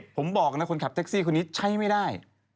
ผมบอกนะคนขับแท็กซี่คนนี้ใช้ไม่ได้